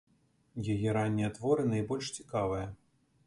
Яе раннія творы найбольш цікавыя.